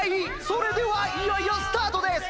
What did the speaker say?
それではいよいよスタートです！